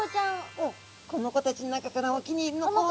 この子たちの中からお気に入りの子を。